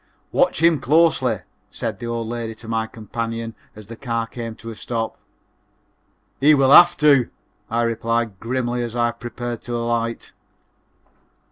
"Watch him closely," said the old lady to my companion, as the car came to a stop. "He will have to," I replied grimly, as I prepared to alight.